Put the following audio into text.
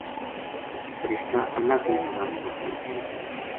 فرشتہ اللہ کی نورانی مخلوق ہیں۔